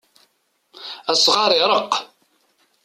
Asɣar ireqq.